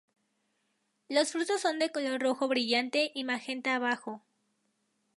Los frutos son de color rojo brillante y magenta abajo.